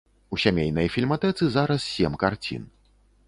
У сямейнай фільматэцы зараз сем карцін.